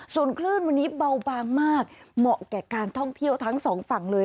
ส่วนคลื่นวันนี้เบาบางมากเหมาะแก่การท่องเที่ยวทั้งสองฝั่งเลย